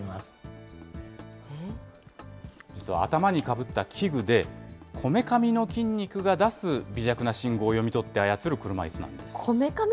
実は頭にかぶった器具で、こめかみの筋肉が出す微弱な信号を読み取って操る車いすなんです。